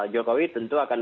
jokowi tentu akan